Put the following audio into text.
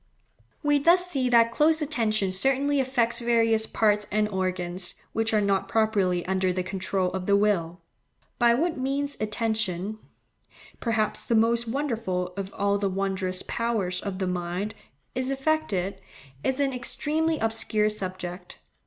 We thus see that close attention certainly affects various parts and organs, which are not properly under the control of the will. By what means attention—perhaps the most wonderful of all the wondrous powers of the mind—is effected, is an extremely obscure subject.